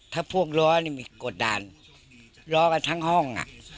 ถ้าพวกล้อนี่มีกดดันล้อกันทั้งห้อง